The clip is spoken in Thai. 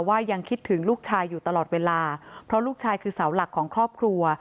ยังคิดถึงลูกชายอยู่ตลอดเวลาเพราะลูกชายคือเสาหลักของครอบครัว